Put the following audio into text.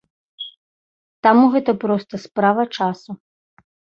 Таму гэта проста справа часу.